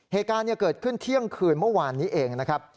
เหตุการณ์เกิดขึ้นเที่ยงคืนเมื่อวานนี้เองนะครับ